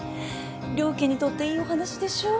両家にとっていいお話でしょ。